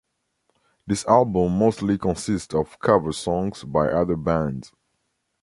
This album mostly consist of cover songs by other bands.